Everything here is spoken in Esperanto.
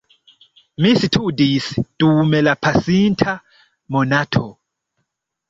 Mi studis dum la pasinta monato.